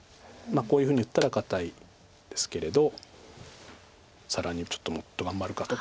こういうふうに打ったら堅いですけれど更にちょっともっと頑張るかとか。